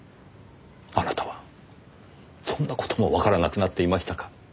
あなたはそんな事もわからなくなっていましたか？